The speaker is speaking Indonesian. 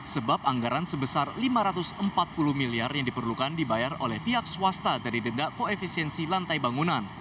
sebab anggaran sebesar lima ratus empat puluh miliar yang diperlukan dibayar oleh pihak swasta dari denda koefisiensi lantai bangunan